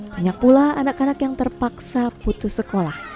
banyak pula anak anak yang terpaksa putus sekolah